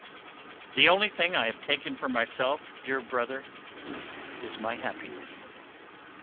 The only thing I have taken for myself, dear brother, is my happiness.